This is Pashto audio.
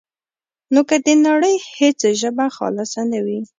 نو که د نړۍ هېڅ ژبه خالصه نه وي،